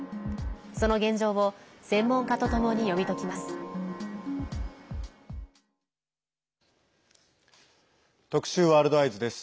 その現状を専門家とともに読み解きます。